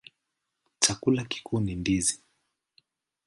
Chakula kikuu ni ndizi.